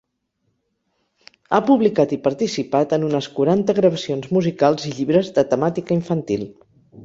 Ha publicat i participat en unes quaranta gravacions musicals i llibres de temàtica infantil.